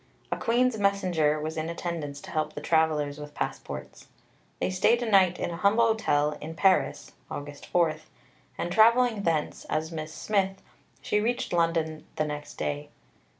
A Queen's messenger was in attendance to help the travellers with passports. They stayed a night in a humble hotel in Paris (August 4), and travelling thence, as Miss Smith, she reached London next day.